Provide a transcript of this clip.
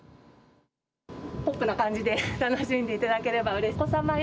ポップな感じで楽しんでいただければうれしい。